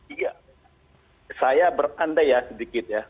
iya saya berandai ya sedikit ya